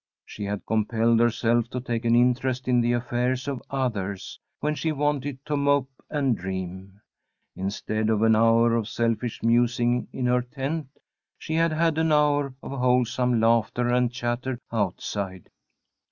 She had compelled herself to take an interest in the affairs of others, when she wanted to mope and dream. Instead of an hour of selfish musing in her tent, she had had an hour of wholesome laughter and chatter outside.